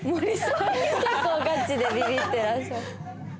結構ガチでビビってらっしゃった。